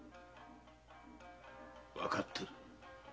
わかってる。